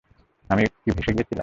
আমি কি ভেসে গিয়েছিলাম?